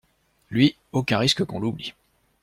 Lui, aucun risque qu’on l’oublie!